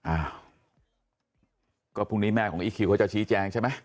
อ้าวก็พรุ่งนี้แม่ของอีคิวเขาจะชี้แจงใช่ไหม